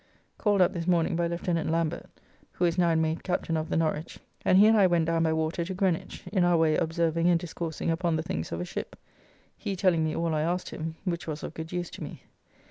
Called up this morning by Lieutenant Lambert, who is now made Captain of the Norwich, and he and I went down by water to Greenwich, in our way observing and discoursing upon the things of a ship, he telling me all I asked him, which was of good use to me.